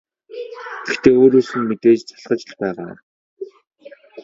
Гэхдээ өөрөөс нь мэдээж залхаж л байгаа.